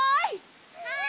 はい！